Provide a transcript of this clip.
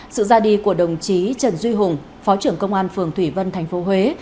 sự ra đi của đồng chí trần duy hùng phó trưởng công an phường thủy vân tp huế